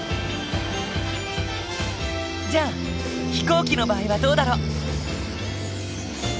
じゃあ飛行機の場合はどうだろう？